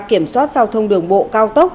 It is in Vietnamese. kiểm soát giao thông đường bộ cao tốc